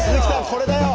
これだよ！